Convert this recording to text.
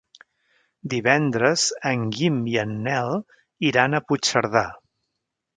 Divendres en Guim i en Nel iran a Puigcerdà.